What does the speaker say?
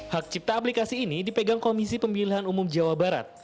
hak cipta aplikasi ini dipegang komisi pemilihan umum jawa barat